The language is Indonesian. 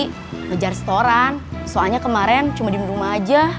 ngejar setoran soalnya kemarin cuma di rumah aja